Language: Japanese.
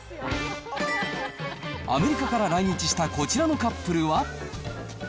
アメリカから来日したこちらのカップルは。